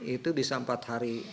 itu bisa empat hari